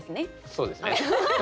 そうですね。